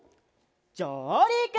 じょうりく！